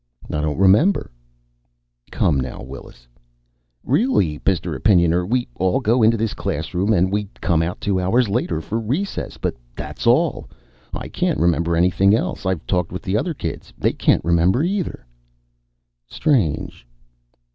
"I don't remember." "Come now, Willis." "Really, Mr. Opinioner. We all go into this classroom, and we come out two hours later for recess. But that's all. I can't remember anything else. I've talked with the other kids. They can't remember either." "Strange...."